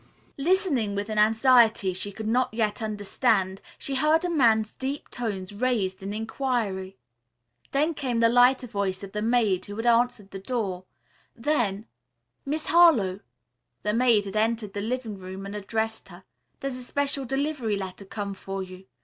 Listening with an anxiety she could not yet understand, she heard a man's deep tones raised in inquiry. Then came the lighter voice of the maid who had answered the door. Then "Miss Harlowe," the maid had entered the living room and addressed her, "there's a special delivery letter come for you.